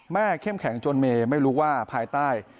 เข้มแข็งจนเมย์ไม่รู้ว่าภายใต้